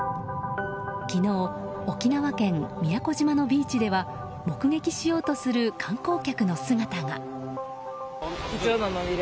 昨日、沖縄県宮古島のビーチでは目撃しようとする観光客の姿が。